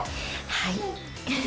はい。